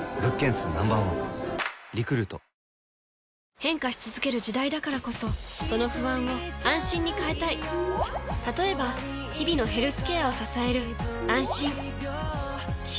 変化し続ける時代だからこそその不安を「あんしん」に変えたい例えば日々のヘルスケアを支える「あんしん」